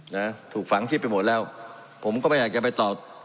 นะถูกฝังชิบไปหมดแล้วผมก็ไม่อยากจะไปตอบ